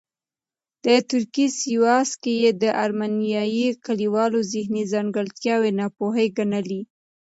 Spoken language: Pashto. د ترکیې سیواس کې یې د ارمینیايي کلیوالو ذهني ځانګړتیاوې ناپوهې ګڼلې.